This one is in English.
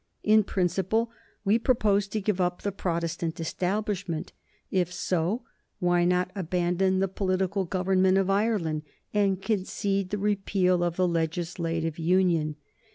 In principle, we propose to give up the Protestant Establishment. If so, why not abandon the political government of Ireland and concede the repeal of the legislative union."